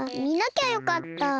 みなきゃよかった。